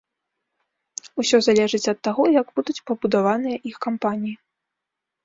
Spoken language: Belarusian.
Усё залежыць ад таго, як будуць пабудаваныя іх кампаніі.